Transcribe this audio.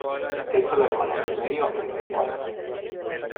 Es el hermano del medio entre cuatro.